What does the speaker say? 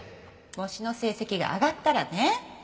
模試の成績が上がったらね。